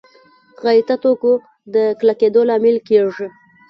غایطه توکو د کلکېدو لامل کېږي.